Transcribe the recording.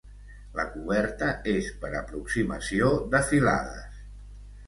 La coberta és per aproximació de filades.